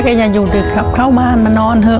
อย่าอยู่ดึกครับเข้าบ้านมานอนเถอะ